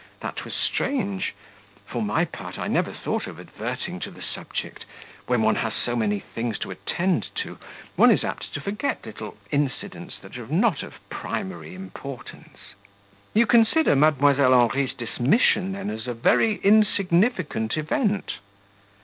that was strange; for my part, I never thought of adverting to the subject; when one has so many things to attend to, one is apt to forget little incidents that are not of primary importance." "You consider Mdlle. Henri's dismission, then, as a very insignificant event?"